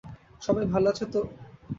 সবাই ভালো আছে তো?